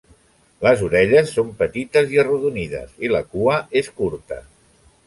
Les orelles són petites i arrodonides i la cua és curta.